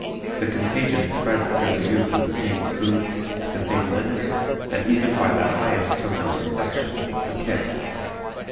The contagion spreads through the use of the same spoon, the same linen, and even by that highest token of affection, a kiss.